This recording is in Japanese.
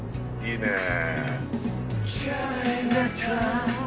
いいねえ。